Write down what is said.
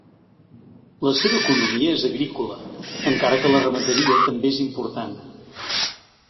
La seva economia és agrícola, encara que la ramaderia també és important.